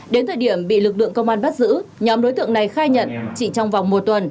đến thời điểm bị lực lượng công an bắt giữ nhóm đối tượng này khai nhận chỉ trong vòng một tuần